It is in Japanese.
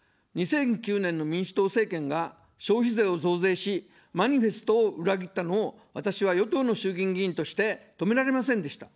２００９年の民主党政権が消費税を増税し、マニフェストを裏切ったのを、私は与党の衆議院議員として止められませんでした。